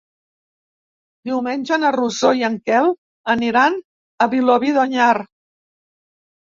Diumenge na Rosó i en Quel aniran a Vilobí d'Onyar.